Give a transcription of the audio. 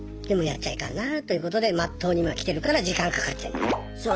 でもやっちゃいかんなということでまっとうに今来てるから時間かかってんだよ。